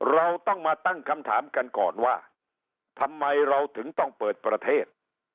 เราต้องมาตั้งคำถามกันก่อนว่าทำไมเราถึงต้องเปิดประเทศ